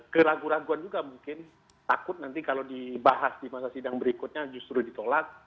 keraguan keraguan juga mungkin takut nanti kalau dibahas di masa sidang berikutnya justru ditolak